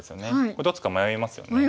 これどっちか迷いますよね。